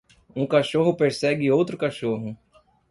um cachorro persegue outro cachorro.